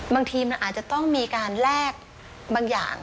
บางทีมันอาจจะต้องมีการแลกบางอย่าง